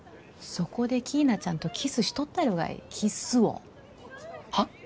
そこでキイナちゃんとキスしとったやろがいキッスをはあ？